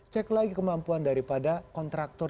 cek lagi kemampuan daripada kontraktor